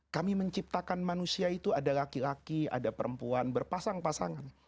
kami menciptakan manusia itu ada laki laki ada perempuan berpasang pasangan